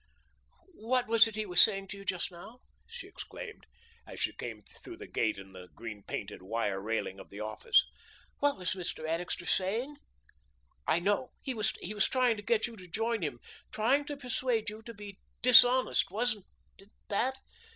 "What was it he was saying to you just now," she exclaimed, as she came through the gate in the green painted wire railing of the office. "What was Mr. Annixter saying? I know. He was trying to get you to join him, trying to persuade you to be dishonest, wasn't that it?